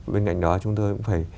bên cạnh đó chúng tôi cũng phải